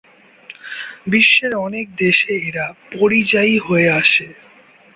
বিশ্বের অনেক দেশে এরা পরিযায়ী হয়ে আসে।